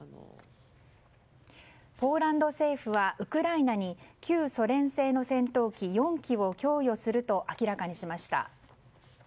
ポーランド政府はウクライナに旧ソ連製の戦闘機４機を供与すると明らかにしました。